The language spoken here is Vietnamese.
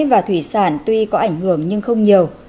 và thủy sản tuy có ảnh hưởng nhưng không nhiều